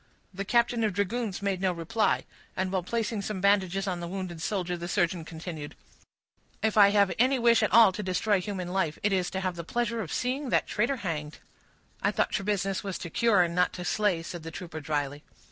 The captain of dragoons made no reply; and, while placing some bandages on the wounded shoulder, the surgeon continued,— "If I have any wish at all to destroy human life, it is to have the pleasure of seeing that traitor hanged." "I thought your business was to cure, and not to slay," said the trooper, dryly.